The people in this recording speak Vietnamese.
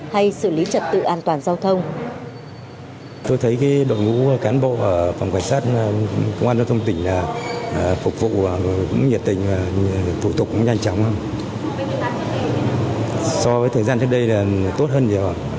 hay xử lý trật tự an toàn giao thông